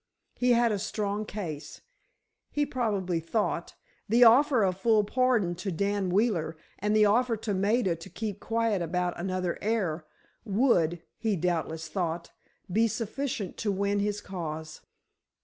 He had a strong case, he probably thought; the offer of full pardon to Dan Wheeler, and the offer to Maida to keep quiet about another heir, would, he doubtless thought, be sufficient to win his cause.